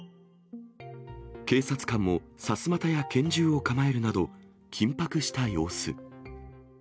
警察官もさすまたや拳銃を構えるなど、緊迫した様子。